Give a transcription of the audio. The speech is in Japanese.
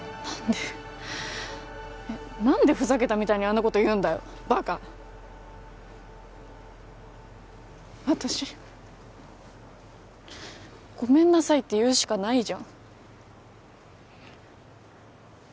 何でえっ何でふざけたみたいにあんなこと言うんだよバカ私ごめんなさいって言うしかないじゃん